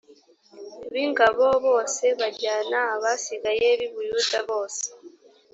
b ingabo bose bajyana abasigaye b i buyuda bose